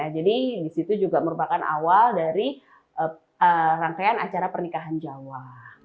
jadi disitu juga merupakan awal dari rangkaian acara pernikahan jawa